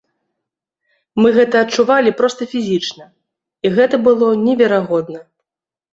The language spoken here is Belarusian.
Мы гэта адчувалі проста фізічна, і гэта было неверагодна.